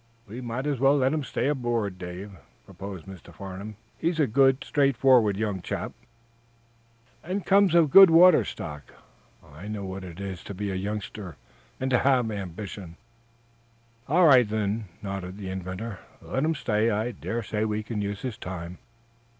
"We might as well let him stay aboard, Dave," proposed Mr. Farnum. "He's a good, straightforward young chap, and comes of good water stock. I know what it is to be a youngster and to have ambitions." "All right, then," nodded the inventor. "Let him stay. I dare say we can use his time."